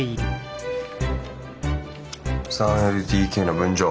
３ＬＤＫの分譲？